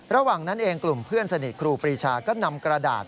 ระหว่างนั้นเองกลุ่มเพื่อนสนิทครูปรีชาก็นำกระดาษ